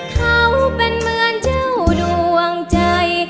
เขาเป็นเหมือนเจ้าดวงใจ